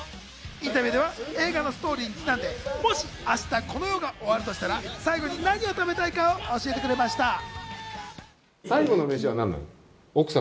インタビューでは映画のストーリーにちなんで、もし明日この世が終わるとしたら最後に何を食べたいかを教えてくれました。